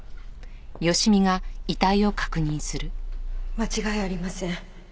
間違いありません。